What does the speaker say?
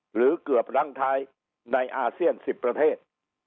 หรือเกือบรั้งท้ายในอาเซียน๑๐ประเทศ